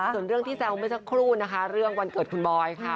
ส่วนเรื่องที่แซวเมื่อสักครู่นะคะเรื่องวันเกิดคุณบอยค่ะ